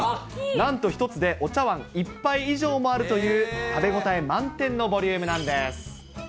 なんと１つでお茶わん１杯以上もあるという食べ応え満点のボリュームなんです。